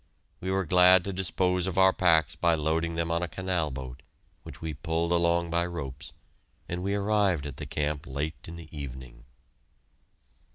We were glad to dispose of our packs by loading them on a canal boat, which we pulled along by ropes, and we arrived at the camp late in the evening.